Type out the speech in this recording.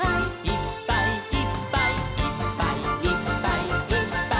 「いっぱいいっぱいいっぱいいっぱい」